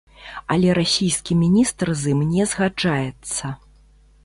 Але расійскі міністр з ім не згаджаецца.